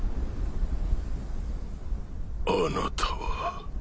あなたは？